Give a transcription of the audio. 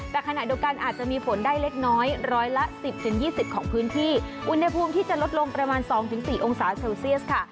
แต่ขณะเดียวกันอาจจะมีฝนได้เล็กน้อยร้อยละสิบถึงยี่สิบของพื้นที่อุณหภูมิที่จะลดลงประมาณ๒๔องศาเซลเซียสค่ะ